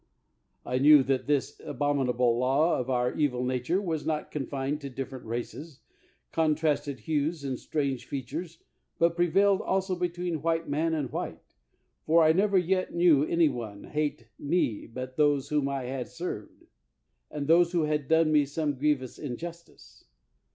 I knew that this abominable law of our evil nature was not confined to different races, con trasted hues, and strange features, but prevailed also between white man and white — for I never yet knew any one hate me but those whom I had served, and those who had done me some griev ous injustice.